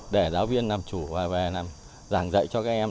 để giáo viên làm chủ và giảng dạy cho các em